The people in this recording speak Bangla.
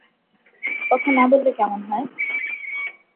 কথা না বললে কেমন হয়?